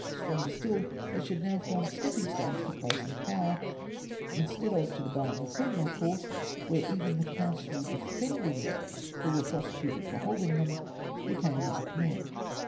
Stranger still, they should now form stepping stones to place and power, instead of to the bar of a criminal court, where even the counsel defending N 3 182 PAINFUL RESULTS. those who were prosecuted for liolding them became marked men.